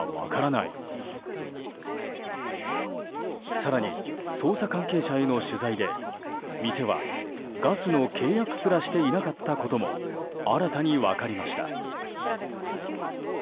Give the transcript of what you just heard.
更に、捜査関係者への取材で店はガスの契約すらしていなかったことも新たに分かりました。